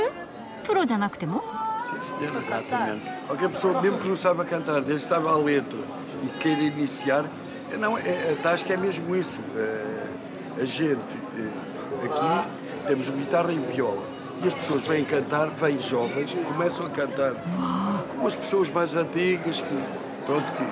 プロじゃなくても？うわ。